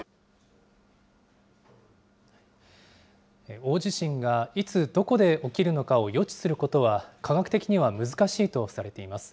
大地震がいつ、どこで起きるのかを予知することは、科学的には難しいとされています。